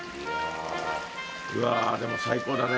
うわでも最高だね。